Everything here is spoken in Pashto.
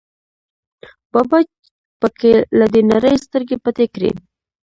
بابا په کې له دې نړۍ سترګې پټې کړې.